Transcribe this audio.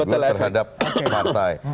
vigil terhadap partai